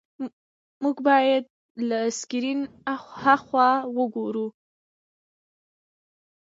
موږ باید له سکرین هاخوا وګورو.